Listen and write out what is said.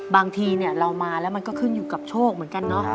บางทีเรามาแล้วมันก็ขึ้นอยู่กับโชคเหมือนกันเนาะ